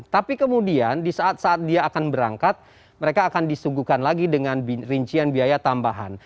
tapi kemudian di saat saat dia akan berangkat mereka akan disuguhkan lagi dengan rincian biaya tambahan